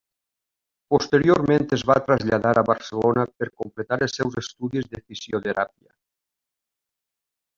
Posteriorment es va traslladar a Barcelona per completar els seus estudis de fisioteràpia.